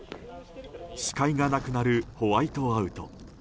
視界がなくなるホワイトアウト。